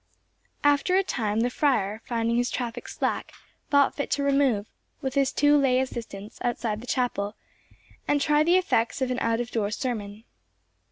After a time, the friar, finding his traffic slack, thought fit to remove, with his two lay assistants, outside the chapel, and try the effects of an out of door sermon.